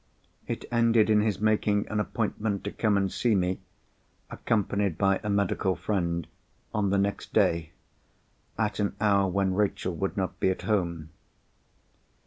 It ended in his making an appointment to come and see me, accompanied by a medical friend, on the next day, at an hour when Rachel would not be at home.